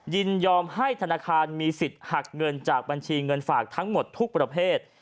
ยินยอมให้ธนาคารมีสิทธิ์หักเงินจากบัญชีเงินฝากทั้งหมดทุกประเภท